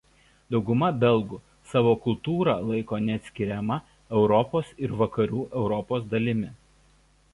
Dauguma belgų savo kultūrą laiko neatskiriama Europos ir Vakarų Europos dalimi.